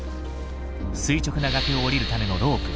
垂直な崖を下りるためのロープ。